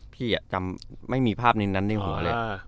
พี่อะจำไม่มีภาพนี้นั้นในหัวเลยอ่า